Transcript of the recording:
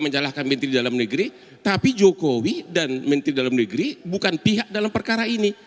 menyalahkan menteri dalam negeri tapi jokowi dan menteri dalam negeri bukan pihak dalam perkara ini